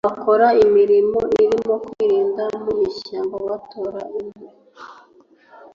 bakora imirimo irimo kwirirwa mu ishyamba batora inkwi